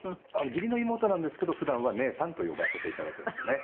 義理の妹なんですけど普段は「姉さん」と呼ばせていただいてますね。